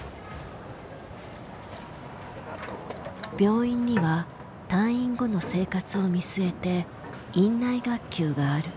病院には退院後の生活を見据えて院内学級がある。